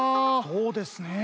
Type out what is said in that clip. そうですねえ。